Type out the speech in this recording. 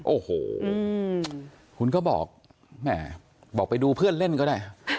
โอ้โหคุณก็บอกแม่บอกไปดูเพื่อนเล่นก็ได้